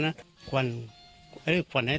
พันให้หมดตั้ง๓คนเลยพันให้หมดตั้ง๓คนเลย